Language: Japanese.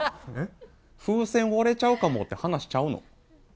風船割れちゃうかもって話しちゃうの？